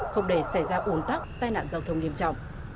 không để xảy ra ủn tắc tai nạn giao thông nghiêm trọng